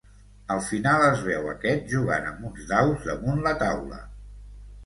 Al final es veu aquest jugant amb uns daus damunt la taula.